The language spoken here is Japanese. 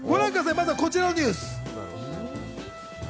まずはこちらのニュース。